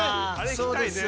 そうですよね。